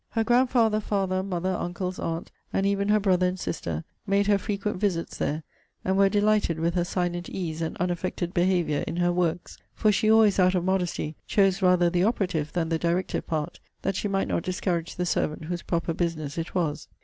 Her grandfather, father, mother, uncles, aunt, and even her brother and sister, made her frequent visits there, and were delighted with her silent ease and unaffected behaviour in her works; for she always, out of modesty, chose rather the operative than the directive part, that she might not discourage the servant whose proper business it was.